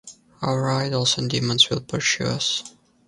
Our idols and demons will pursue us.